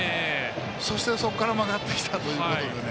そして、そこからまたやってきたということで。